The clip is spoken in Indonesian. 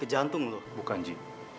kamu aja yang tolong ya ji